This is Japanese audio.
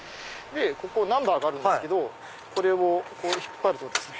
ここナンバーがあるんですけどこれを引っ張るとですね。